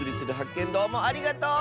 けんどうもありがとう！